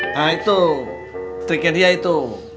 nah itu striker dia itu